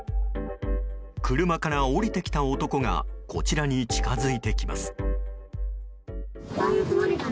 車から降りてきた男がこちらに近づいてきます。